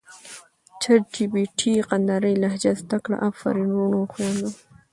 چټ جې پې ټې کندهارې لهجه زده کړه افرین ورونو او خویندو!